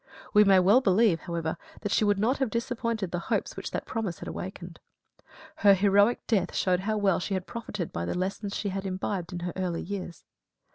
We may well believe, however, that she would not have disappointed the hopes which that promise had awakened. Her heroic death showed how well she had profited by the lessons she had imbibed in her early years.